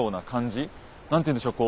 何というんでしょう